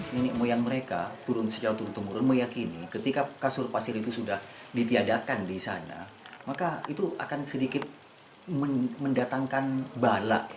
nenek moyang mereka turun secara turun temurun meyakini ketika kasur pasir itu sudah ditiadakan di sana maka itu akan sedikit mendatangkan bala